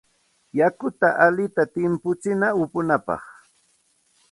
Yakuta allinta timputsina upunapaq.